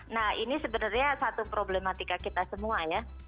nah ini sebenarnya satu problematika kita semua ya